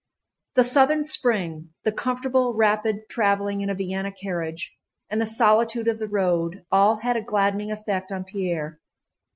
The southern spring, the comfortable rapid traveling in a Vienna carriage, and the solitude of the road, all had a gladdening effect on Pierre.